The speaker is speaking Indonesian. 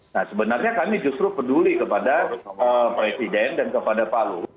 nah sebenarnya kami justru peduli kepada presiden dan kepada pak luhut